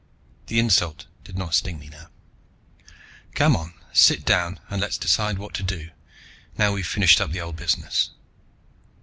The insult did not sting me now. "Come on, sit down and let's decide what to do, now we've finished up the old business."